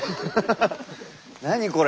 何これ。